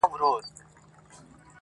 زه مي د عُمر د خزان له څانګي ورژېدم -